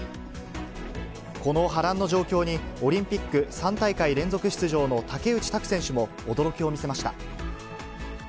この波乱の状況に、オリンピック３大会連続出場の竹内択選手も驚きを見せました。